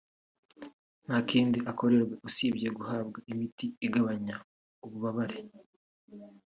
nta kindi akorerwa usibye guhabwa imiti igabanya ububabare